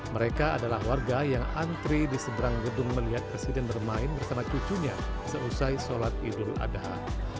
mereka adalah warga yang antri di seberang gedung melihat presiden bermain bersama cucunya seusai sholat idul adha